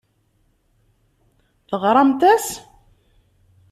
Teɣramt-as?